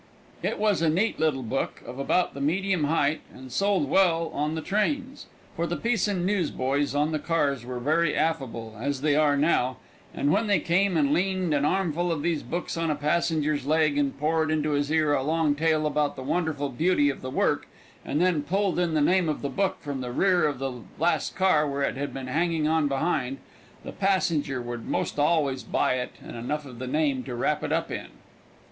It was a neat little book, of about the medium height, and sold well on the trains, for the Pisan newsboys on the cars were very affable, as they are now, and when they came and leaned an armful of these books on a passenger's leg and poured into his ear a long tale about the wonderful beauty of the work, and then pulled in the name of the book from the rear of the last car, where it had been hanging on behind, the passenger would most always buy it and enough of the name to wrap it up in.